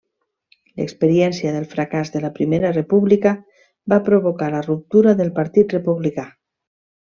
L'experiència del fracàs de la Primera República va provocar la ruptura del Partit Republicà.